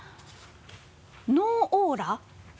ノーオーラ。